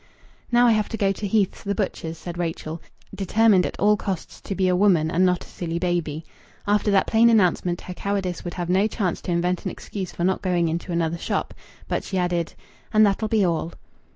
"Now I have to go to Heath's the butcher's," said Rachel, determined at all costs to be a woman and not a silly baby. After that plain announcement her cowardice would have no chance to invent an excuse for not going into another shop. But she added "And that'll be all."